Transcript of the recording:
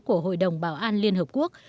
của hội đồng bảo an liên hợp quốc